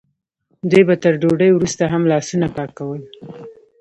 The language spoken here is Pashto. دوی به تر ډوډۍ وروسته هم لاسونه پاکول.